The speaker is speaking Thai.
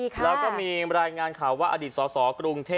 ก็มันยังไม่หมดวันหนึ่ง